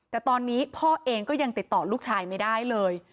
แต่ตอนนี้พ่อเองก็ยังติดต่อลูกชายไม่ได้เลย